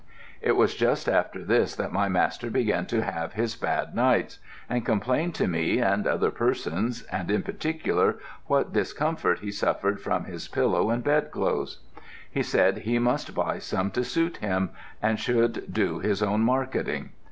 "It was just after this that my master began to have his bad nights, and complained to me and other persons, and in particular what discomfort he suffered from his pillow and bedclothes. He said he must buy some to suit him, and should do his own marketing.